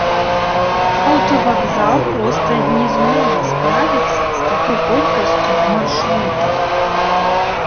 Аўтавакзал проста не зможа справіцца з такой колькасцю маршрутак.